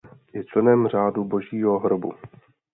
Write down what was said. Je členem Řádu Božího hrobu.